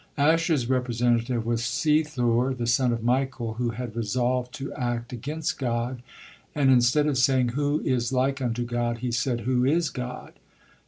Asher's representative was Sethur, the son of Michael, who had resolved to act against God and instead of saying, "Who is like unto God?" he said, "Who is God?"